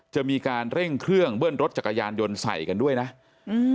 จะมีการเร่งเครื่องเบิ้ลรถจักรยานยนต์ใส่กันด้วยนะอืม